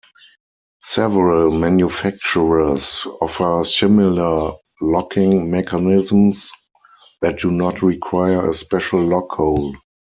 Several manufacturers offer similar locking mechanisms that do not require a special lock hole.